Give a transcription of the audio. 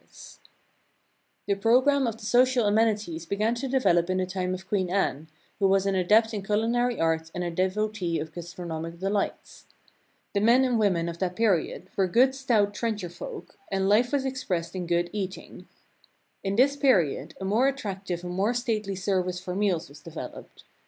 Sets ivell on the table [2 4 ] The program of the social amenities began to de velop in the time of Queen Anne, who was an adept in culinary art and a devotee of gastronomic delights. The men and women of that period were good stout trencher folk, and life was expressed in good eating. In this period a more attrac tive and more stately service for meals was developed.